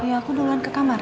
ya aku duluan ke kamar